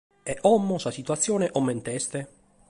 E como, sa situatzione, comente est?